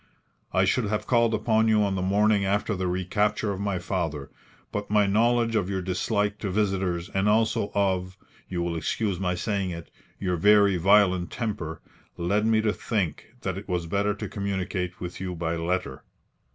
I should have called upon you on the morning after the recapture of my father, but my knowledge of your dislike to visitors and also of you will excuse my saying it your very violent temper, led me to think that it was better to communicate with you by letter.